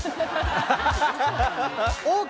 ＯＫ